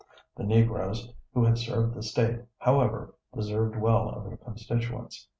The Negroes, who had served the State, however, deserved well of their constituents.